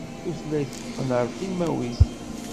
Tutlayt teqqen ar timawit.